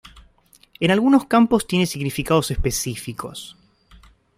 En algunos campos tiene significados específicos.